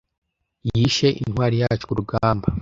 yishe intwari yacu ku rugamba